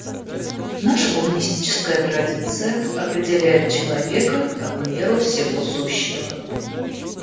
Наша гуманистическая традиция определяет человека как меру всего сущего.